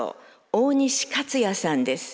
大西勝也さんです。